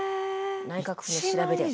内閣府の調べで。